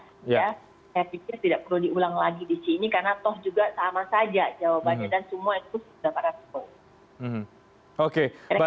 saya pikir tidak perlu diulang lagi disini karena toh juga sama saja jawabannya dan semua itu sudah para spok